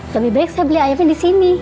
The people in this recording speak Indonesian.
lebih baik saya beli ayamnya disini